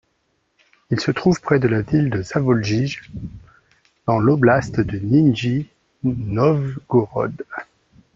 Il se trouve près de la ville de Zavoljie, dans l'Oblast de Nijni Novgorod.